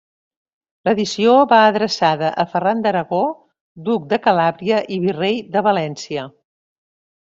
L'edició va adreçada a Ferran d'Aragó, duc de Calàbria i virrei de València.